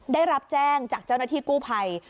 ได้รับแจ้งจากเจ้าหน้าที่กู้ภัย